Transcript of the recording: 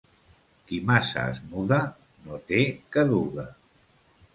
Qui massa es muda, no té què duga.